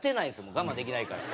もう我慢できないから。